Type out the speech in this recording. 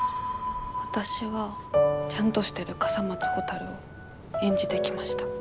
わたしは「ちゃんとしてる笠松ほたる」を演じてきました。